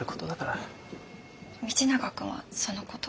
道永君はそのこと。